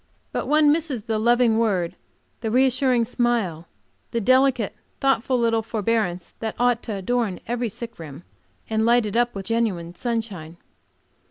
But one misses the loving word, the re assuring smile, the delicate, thoughtful little forbearance, that ought to adorn every sick room, and light it up with genuine sunshine.